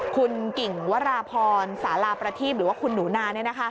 คุณกิ่งวราพรสาราประทีพหรือว่าคุณหนูนา